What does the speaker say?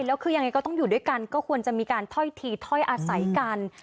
แล้วคือยังไงก็ต้องอยู่ด้วยกันก็ควรจะมีการถ้อยทีถ้อยอาศัยกัน